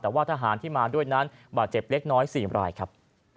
แต่ว่าทหารที่มาด้วยนั้นบาดเจ็บเล็กน้อย๔รายครับ